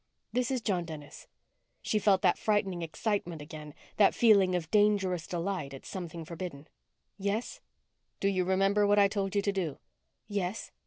"This is John Dennis." She felt that frightening excitement again that feeling of dangerous delight at something forbidden. "Yes?" "Do you remember what I told you to do?" "Yes."